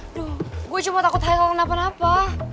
aduh gue cuma takut hai kenapa napa